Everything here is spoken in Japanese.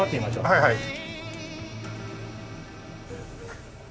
はいはい。